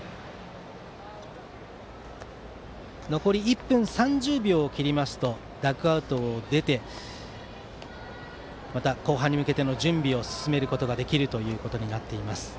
残り１分３０秒を切りますとダグアウトを出てまた後半に向けての準備を進めることができます。